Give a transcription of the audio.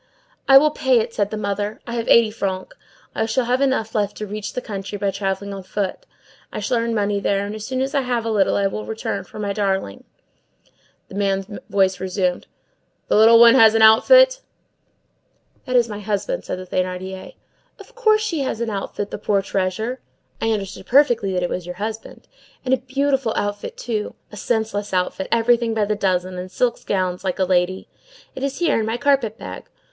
"I will pay it," said the mother. "I have eighty francs. I shall have enough left to reach the country, by travelling on foot. I shall earn money there, and as soon as I have a little I will return for my darling." The man's voice resumed:— "The little one has an outfit?" "That is my husband," said the Thénardier. "Of course she has an outfit, the poor treasure.—I understood perfectly that it was your husband.—And a beautiful outfit, too! a senseless outfit, everything by the dozen, and silk gowns like a lady. It is here, in my carpet bag."